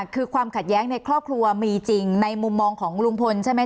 คือความขัดแย้งในครอบครัวมีจริงในมุมมองของลุงพลใช่ไหม